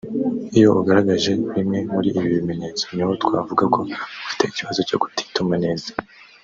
Iyo ugaragaje bimwe muri ibi bimenyetso niho twavuga ko ufite ikibazo cyo kutituma neza